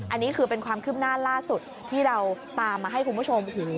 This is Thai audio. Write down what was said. อันนี้คือเป็นความคืบหน้าล่าสุดที่เราตามมาให้คุณผู้ชม